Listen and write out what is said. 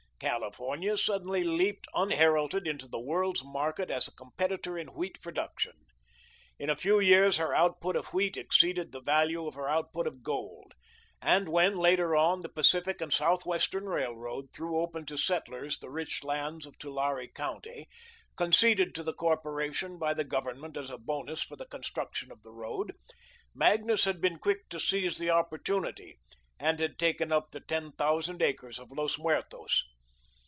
California suddenly leaped unheralded into the world's market as a competitor in wheat production. In a few years her output of wheat exceeded the value of her out put of gold, and when, later on, the Pacific and Southwestern Railroad threw open to settlers the rich lands of Tulare County conceded to the corporation by the government as a bonus for the construction of the road Magnus had been quick to seize the opportunity and had taken up the ten thousand acres of Los Muertos.